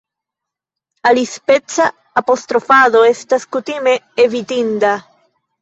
Alispeca apostrofado estas kutime evitinda.